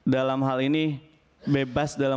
dalam hal ini bebas dalam